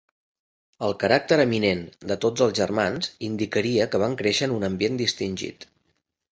El caràcter eminent de tots els germans indicaria que van créixer en un ambient distingit.